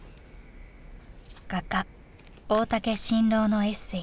画家大竹伸朗のエッセイ